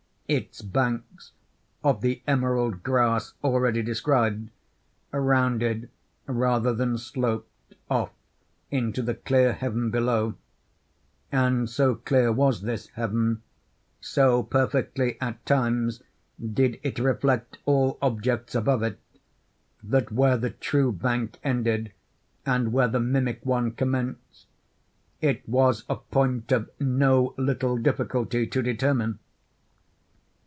Its banks, of the emerald grass already described, rounded, rather than sloped, off into the clear heaven below; and so clear was this heaven, so perfectly, at times, did it reflect all objects above it, that where the true bank ended and where the mimic one commenced, it was a point of no little difficulty to determine.